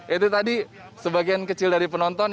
itu tadi sebagian kecil dari penonton